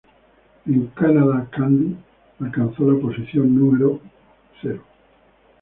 En Canadá "Candy" alcanzó la posición No.